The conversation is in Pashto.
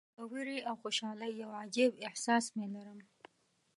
د ویرې او خوشالۍ یو عجیب احساس مې لرم.